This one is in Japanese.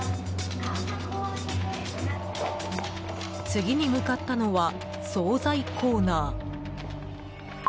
次に向かったのは総菜コーナー。